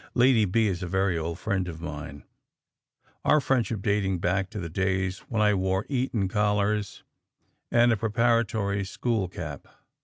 Lady B is a very old friend of mine, our friendship dating back to the days when I wore Eton collars and a preparatory school cap.